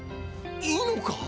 いいのか？